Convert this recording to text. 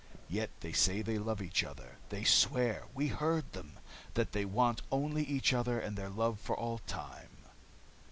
Yet they say they love each other. They swear we heard them that they want only each other and their love for all time."